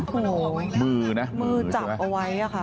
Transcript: สมศัพท์มือจับเอาไว้ค่ะ